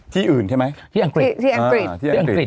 ที่อ้างกริด